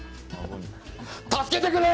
助けてくれ！